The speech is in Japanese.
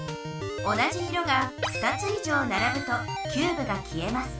同じ色が２つ以上ならぶとキューブがきえます。